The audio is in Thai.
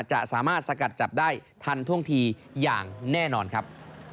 จะสามารถสกัดจับได้ทันท่วงทีอย่างแน่นอนครับ